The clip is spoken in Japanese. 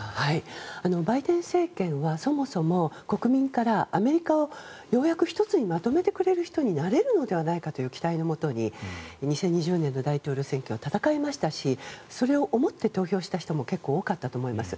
バイデン政権はそもそも国民からアメリカをようやく１つにまとめてくれる人になれるのではないかという期待のもとに２０２０年の大統領選挙を戦いましたしそれを思って投票した人も結構多かったと思います。